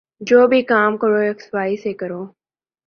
جو بھی کام کرو یکسوئی سے کرو